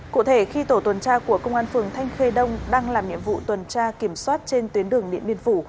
cụ thể khi tổ tuần tra của công an phường thanh khê đông đang làm nhiệm vụ tuần tra kiểm soát trên tuyến đường điện biên phủ